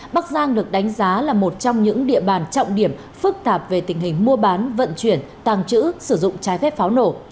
bắc giang được đánh giá là một trong những địa bàn trọng điểm phức tạp về tình hình mua bán vận chuyển tàng trữ sử dụng trái phép pháo nổ